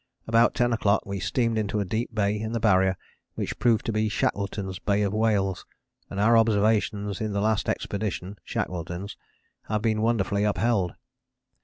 About ten o'clock we steamed into a deep bay in the Barrier which proved to be Shackleton's Bay of Whales, and our observations in the last expedition [Shackleton's] have been wonderfully upheld.